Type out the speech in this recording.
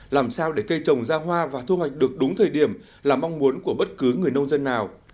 làm sao để cây trồng ra hoa và thu hoạch được đúng thời điểm là mong muốn của bất cứ người nông dân nào